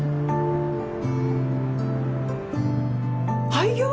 廃業？